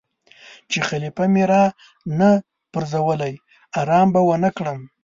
چې خلیفه مې را نه پرزولی آرام به ونه کړم.